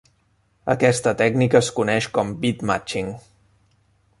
Aquesta tècnica es coneix com "beatmatching".